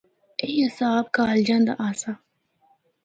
ایہی حساب کالجاں دا آسا۔